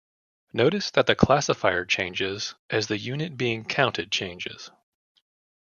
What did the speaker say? Notice that the classifier changes as the unit being counted changes.